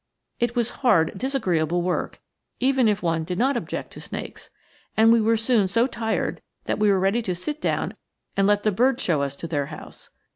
It was hard disagreeable work, even if one did not object to snakes, and we were soon so tired that we were ready to sit down and let the birds show us to their house.